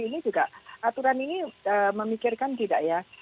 ini juga aturan ini memikirkan tidak ya